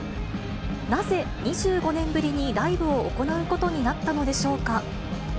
なぜ、２５年ぶりにライブを行うことになったのでしょうか。